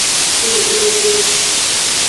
Cugbeje.